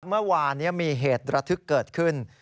เมื่อวานนี้มีเหตุระทึกเกิดขึ้น